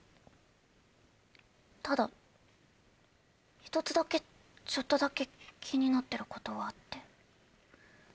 ただ１つだけちょっとだけ気になってることはあって。